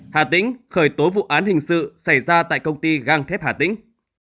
hà tĩnh khởi tố vụ án hình sự xảy ra tại công ty gang thép hà tĩnh